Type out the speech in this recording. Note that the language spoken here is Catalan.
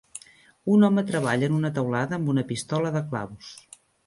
Un home treballa en una teulada amb una pistola de claus.